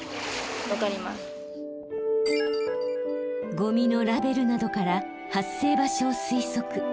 ゴミのラベルなどから発生場所を推測。